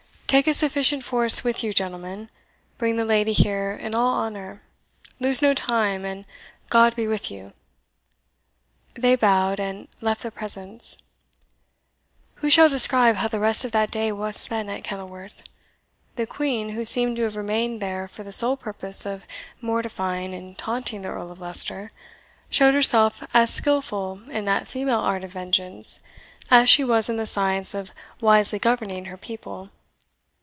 Take a sufficient force with you, gentlemen bring the lady here in all honour lose no time, and God be with you!" They bowed, and left the presence, Who shall describe how the rest of that day was spent at Kenilworth? The Queen, who seemed to have remained there for the sole purpose of mortifying and taunting the Earl of Leicester, showed herself as skilful in that female art of vengeance, as she was in the science of wisely governing her people.